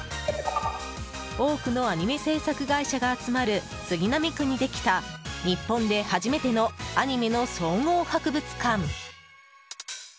多くのアニメ制作会社が集まる杉並区にできた日本で初めてのアニメの総合博物館。